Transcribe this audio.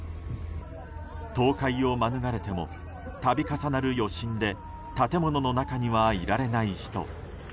倒壊を免れても度重なる余震で建物の中にはいられない人。